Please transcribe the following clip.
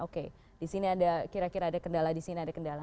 oke di sini ada kira kira ada kendala di sini ada kendala